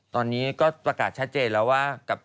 ตอนนี้ก็ประกาศชัดเจนแล้วว่า